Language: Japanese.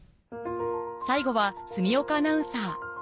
最後は住岡アナウンサー